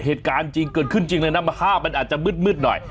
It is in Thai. เหตุการณ์จริงเกิดขึ้นจริงเลยนะภาพมันอาจจะมืดหน่อย